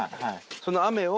その「雨」を。